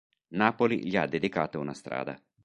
Napoli gli ha dedicato una strada.